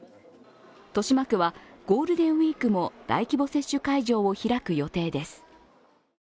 豊島区はゴールデンウイークも大規模接種会場を開く予定です。